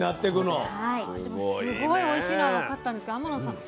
でもすごいおいしいのは分かったんですが天野さん